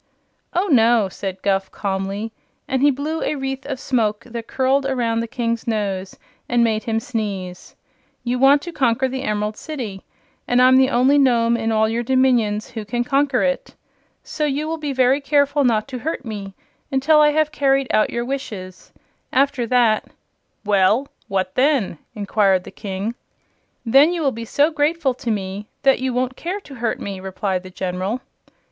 "Oh no," replied Guph, calmly, and he blew a wreath of smoke that curled around the King's nose and made him sneeze. "You want to conquer the Emerald City, and I'm the only Nome in all your dominions who can conquer it. So you will be very careful not to hurt me until I have carried out your wishes. After that " "Well, what then?" inquired the King. "Then you will be so grateful to me that you won't care to hurt me," replied the General.